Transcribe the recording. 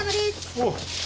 おう。